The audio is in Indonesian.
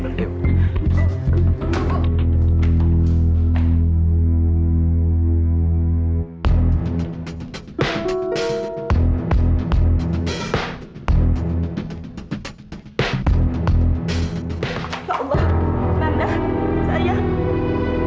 ya allah manda sayang